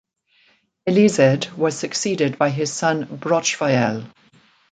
Elisedd was succeeded by his son Brochfael.